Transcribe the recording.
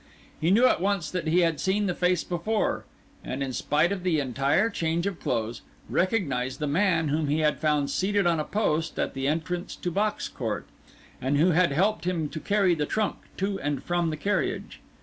He knew at once that he had seen the face before; and, in spite of the entire change of clothes, recognised the man whom he had found seated on a post at the entrance to Box Court, and who had helped him to carry the trunk to and from the carriage.